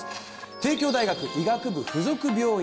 帝京大学医学部附属病院